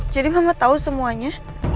jadi mama tahu semuanya